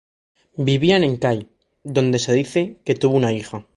Vivían en Kai, donde se dice que tuvo una hija.